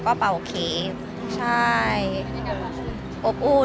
ฝักเนื้อฝักตัว